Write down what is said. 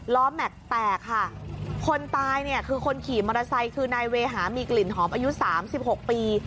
ล้อแม็กซ์แตกค่ะคนตายคือคนขี่มอเตอร์ไซต์คือในเวหามีกลิ่นหอมอายุ๓๖ปี